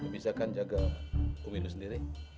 bisa kan jaga umi lu sendiri